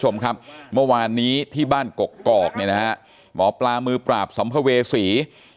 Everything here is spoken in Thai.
เมื่อวานนี้ที่บ้านกรกกรอกหมอปลามือปราบสมภเวศรี